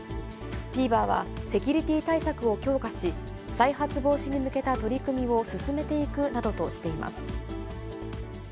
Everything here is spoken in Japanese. ＴＶｅｒは、セキュリティー対策を強化し、再発防止に向けた取り組みを進めていくなどとしています。